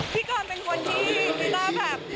พี่กรเป็นคนที่ฤทธาแบบ